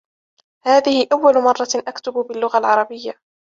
هذه أول مرة أكتب باللغة العربية.